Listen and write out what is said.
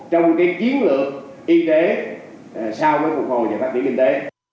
trong chiến lược y tế sau cuộc hồi và phát triển kinh tế